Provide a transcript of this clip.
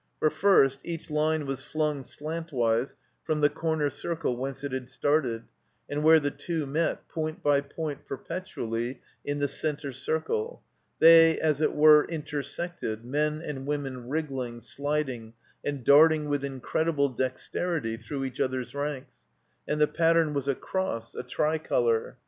For first, each Une was flxmg slantwise from the comer circle whence it had started, and 3 37 THE COMBINED MAZE where the two met, point by point perpetually, in the center circle, they as it were intersected, men and women wriggling, sliding, and darting with incredible dexterity through each other's ranks; and the pat tern was a cross, a tricolor.